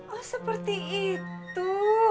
oh seperti itu